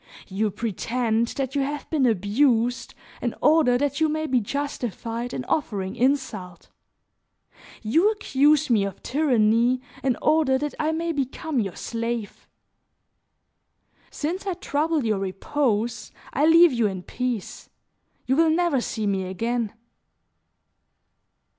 You pretend that you have been abused in order that you may be justified in offering insult; you accuse me of tyranny in order that I may become your slave. Since I trouble your repose, I leave you in peace; you will never see me again."